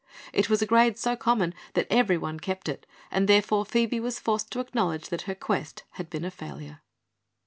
It was a grade so common that everyone kept it and therefore Phoebe was forced to acknowledge that her quest had been a failure.